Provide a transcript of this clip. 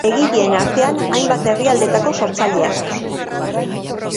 Egileen artean, hainbat herrialdetako sortzaileak.